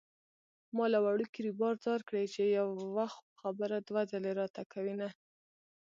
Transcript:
ما له وړوکي ريبار ځار کړې چې يوه خبره دوه ځلې راته کوينه